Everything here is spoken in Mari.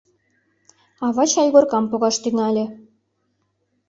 Ава чайгоркам погаш тӱҥале.